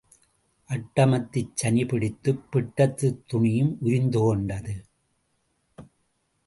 அட்டமத்துச் சனி பிடித்துப் பிட்டத்துத் துணியும் உரிந்து கொண்டது.